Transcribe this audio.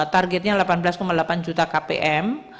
targetnya delapan belas delapan juta kpm